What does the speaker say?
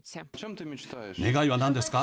願いは何ですか。